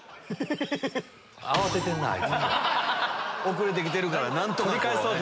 遅れて来てるから何とかこう。